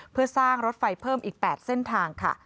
เพื่อสร้างรถไฟเพิ่มอีก๘เส้นทางค่ะ